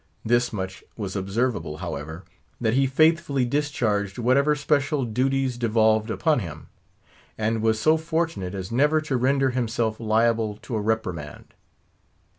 This much was observable, however, that he faithfully discharged whatever special duties devolved upon him; and was so fortunate as never to render himself liable to a reprimand.